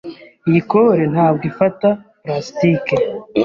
Iyi kole ntabwo ifata plastike.